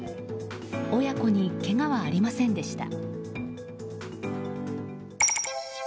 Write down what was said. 親子にけがはありませんでした。